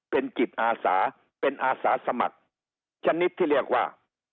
เป็นจิตอาสาเป็นอาสาสมัครชนิดที่เรียกว่า